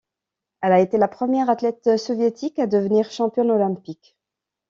Elle a été la première athlète soviétique à devenir championne olympique.